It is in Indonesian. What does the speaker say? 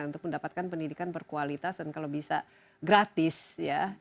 untuk mendapatkan pendidikan berkualitas dan kalau bisa gratis ya